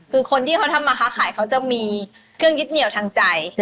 คือคนที่เขาทำมาค้าขายเขาจะมีเครื่องยึดเหนียวทางใจ